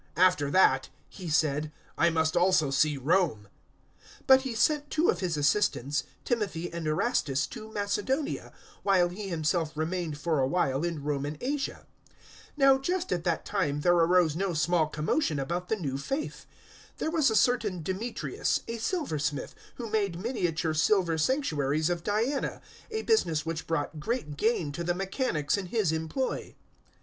"After that," he said, "I must also see Rome." 019:022 But he sent two of his assistants, Timothy and Erastus, to Macedonia, while he himself remained for a while in Roman Asia. 019:023 Now just at that time there arose no small commotion about the new faith. 019:024 There was a certain Demetrius, a silversmith, who made miniature silver sanctuaries of Diana, a business which brought great gain to the mechanics in his employ.